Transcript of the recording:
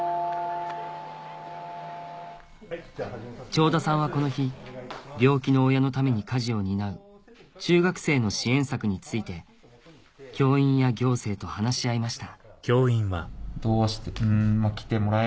長田さんはこの日病気の親のために家事を担う中学生の支援策について教員や行政と話し合いました